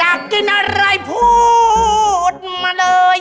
อยากกินอะไรพูดมาเลย